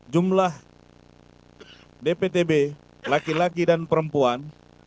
jumlah dptb laki laki dan perempuan dua puluh tujuh ribu lima ratus enam puluh tujuh